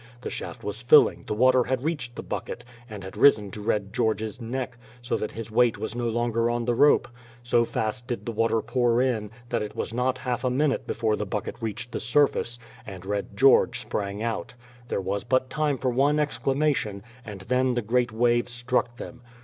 The shaft was filling, the water had reached the bucket, and had risen to Red George's neck, so that his weight was no longer on the rope. So fast did the water pour in, that it was not half a minute before the bucket reached the surface, and Red George sprang out. There was but time for one exclamation, and then the great wave struck them.